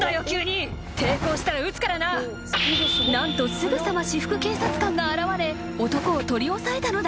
［何とすぐさま私服警察官が現れ男を取り押さえたのだ］